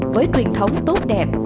với truyền thống tốt đẹp